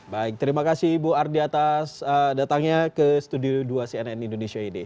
baik terima kasih ibu ardi atas datangnya ke studio dua cnn indonesia ini